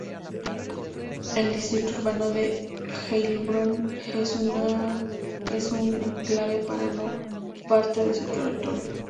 El distrito urbano de Heilbronn es un enclave pero no parte de su territorio.